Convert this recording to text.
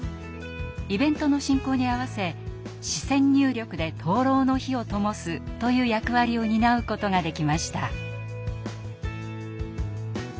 イベントの進行に合わせ視線入力で灯籠の火をともすという役割を担うことができました。